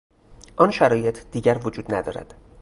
آن شرایط دیگر وجود ندارد.